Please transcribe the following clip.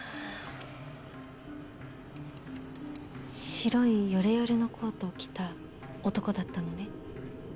白いヨレヨレのコートを着た男だったのね？